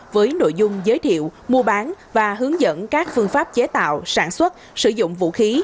với nội dung giới thiệu mua bán và hướng dẫn các phương pháp chế tạo sản xuất sử dụng vũ khí